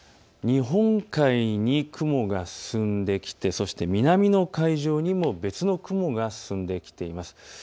日本海に雲が進んできて南の海上にも別の雲が進んできています。